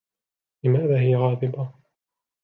لماذا هي غاضبة؟